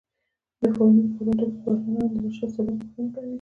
د فرمی پاراډوکس د بهرنیانو د نشت سبب پوښتنه کوي.